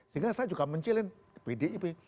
sehingga saya juga mencilin pdip